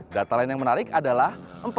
data lain yang menarik adalah